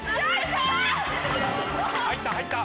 入った入った。